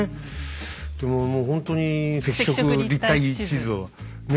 でももうほんとに赤色立体地図をね